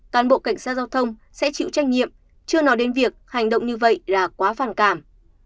cán bộ cảnh sát giao thông sẽ chịu trách nhiệm chưa nói đến việc hành động như vậy là quá phản cảm